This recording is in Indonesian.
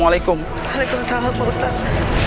waalaikumsalam pak ustadz